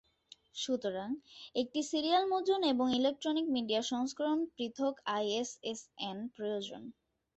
সুতরাং, একটি সিরিয়াল মুদ্রণ এবং ইলেকট্রনিক মিডিয়া সংস্করণ পৃথক আইএসএসএন প্রয়োজন।